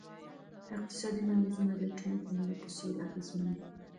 اقتصادي بندیزونه د اټومي بمونو په څیر اغیزمن دي.